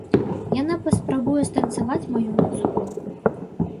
Яна паспрабуе станцаваць маю музыку!